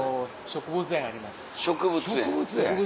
植物園。